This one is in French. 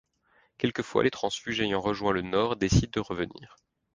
Quelques fois, les transfuges ayant rejoint le Nord décident de revenir.